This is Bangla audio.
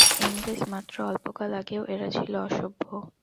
ইংরেজ! মাত্র অল্পকাল আগেও এরা ছিল অসভ্য।